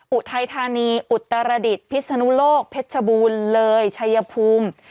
อุทัยธานีอุตรดิษฐ์พิศนุโลกเพชรชบูรณ์เลยชัยภูมิ